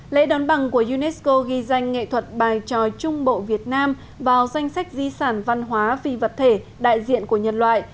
lễ đón bằng của unesco ghi danh nghệ thuật bài tròi trung bộ việt nam vào danh sách di sản văn hóa phi vật thể đại diện của nhân loại